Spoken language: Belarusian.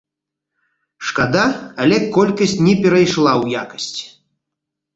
Шкада, але колькасць не перайшла ў якасць.